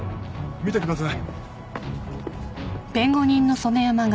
見てください。